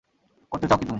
করতে চাও কী তুমি?